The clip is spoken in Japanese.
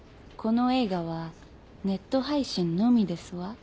この映画はネット配信のみデスわ。